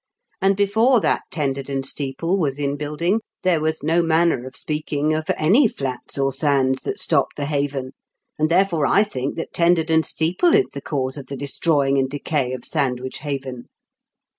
And before that Tenderden steeple was in building, there was no manner of speaking of any flats or sands that stopped the haven, and therefore I think that Tenderden steeple is the cause of the destroying and decay of Sandwich haven.'